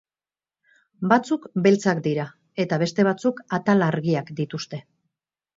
Batzuk beltzak dira eta beste batzuk atal argiak dituzte.